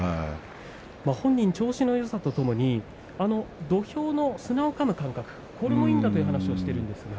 本人は調子のよさとともに土俵の砂をかむ感じこれもいいんだという話をしています。